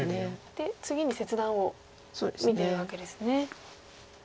で次に切断を見てるわけですね。